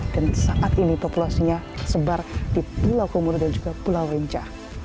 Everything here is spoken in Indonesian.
dan saat ini populasinya sebar di pulau komodo dan juga pulau rinca